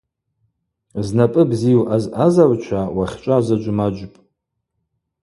Знапӏы бзийу азъазагӏвчва уахьчӏва заджвмаджвпӏ.